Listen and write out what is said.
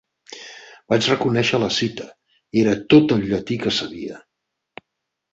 Vaig reconèixer la cita: era tot el llatí que sabia.